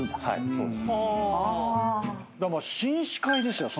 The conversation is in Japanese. はいそうです。